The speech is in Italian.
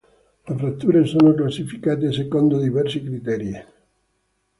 Le fratture sono classificate secondo diversi criteri.